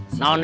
siap pak rete